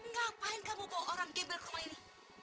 ngapain kamu bawa orang gembel koma ini